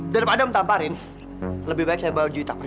daripada om tamparin lebih baik saya bawa juwita pergi